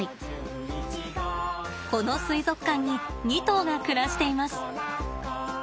この水族館に２頭が暮らしています。